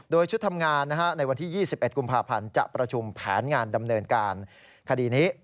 โดยชุดทำงานในวันที่๒๑กุมภาพันธ์จะประชุมแผนงานดำเนินการคดีนี้